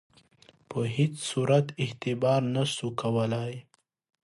په هیڅ صورت اعتبار نه سو کولای.